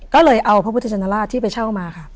ก็เลยเอาพระพุทธชนราชที่ไปเช่ามาค่ะ